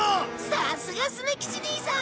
さすがスネ吉兄さん！